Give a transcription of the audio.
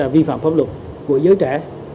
vì phạm pháp luật của giới trẻ